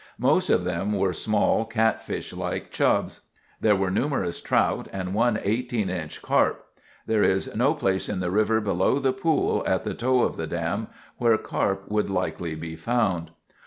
Most of them were small, catfish like chubs. There were numerous trout, and one 18 inch carp. There is no place in the river below the pool at the toe of the dam where carp would likely be found.